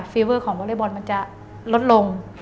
ฟีเวอร์ของวอเล็กบอลมันจะลดลง